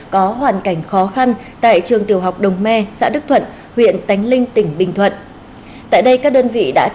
cơ quan công an thu giữ nhiều tài liệu tăng vật có liên quan